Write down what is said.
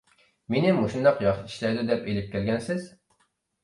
مېنى مۇشۇنداق ياخشى ئىشلەيدۇ دەپ ئېلىپ كەلگەنسىز؟